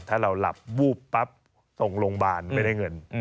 ถ้าเราหลับวูบปั๊บส่งโรงพยาบาลไม่ได้เงิน